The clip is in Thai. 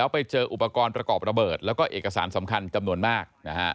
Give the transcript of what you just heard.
ไปเจออุปกรณ์ประกอบระเบิดแล้วก็เอกสารสำคัญจำนวนมาก